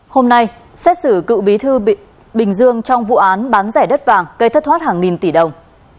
hôm nay xét xử cựu bí thư bình dương trong vụ án bán rẻ đất vàng cây thất thoát hàng nghìn tỷ đồng